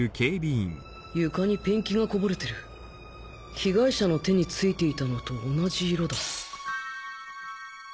床にペンキがこぼれてる被害者の手に付いていたのと同じ色だ